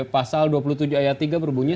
pasal dua puluh tujuh ayat tiga berbunyi